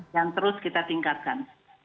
yang terus kita tingkatkan